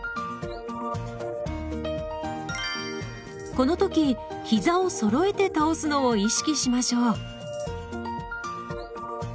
この時ひざをそろえて倒すのを意識しましょう。